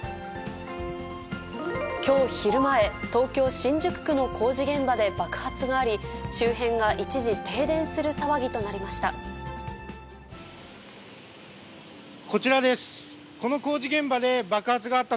きょう昼前、東京・新宿区の工事現場で爆発があり、周辺が一時、停電する騒ぎとなりました。